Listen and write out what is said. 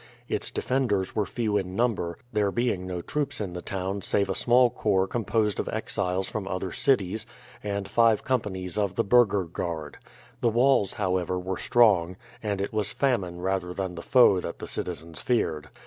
Its defenders were few in number, there being no troops in the town save a small corps composed of exiles from other cities, and five companies of burgher guard. The walls, however, were strong, and it was famine rather than the foe that the citizens feared.